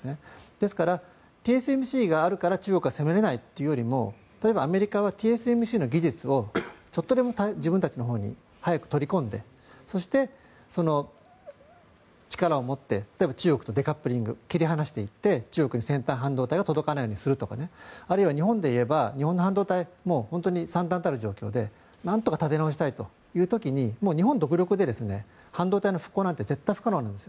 ですから、ＴＳＭＣがあるから中国が攻めれないというよりも例えばアメリカはＴＳＭＣの技術をちょっとでも自分たちのほうに早く取り込んでそして、力を持って例えば中国とデカップリング切り離していって中国に先端半導体が届かないようにするとかあるいは日本でいえば日本の半導体は本当に惨たんたる状況でなんとか立て直したいという時にもう、日本独力で半導体の復興なんて絶対に不可能なんです。